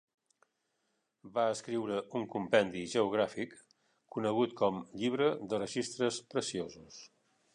Va escriure un compendi geogràfic conegut com "Llibre de registres preciosos".